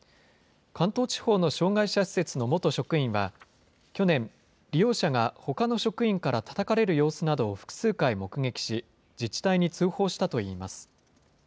関東地方の障害者施設の元職員は去年、利用者がほかの職員からたたかれる様子などを複数回目撃し、自治体に通報したといいます。